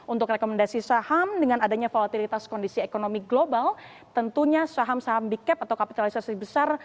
untuk rekomendasi saham dengan adanya volatilitas kondisi ekonomi global tentunya saham saham big cap atau kapitalisasi besar